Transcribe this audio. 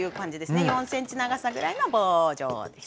４ｃｍ長さぐらいの棒状です。